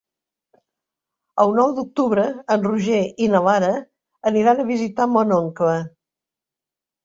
El nou d'octubre en Roger i na Lara aniran a visitar mon oncle.